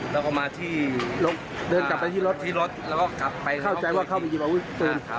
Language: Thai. แล้วก็มาที่รถแล้วก็กลับไปห้องตรวจ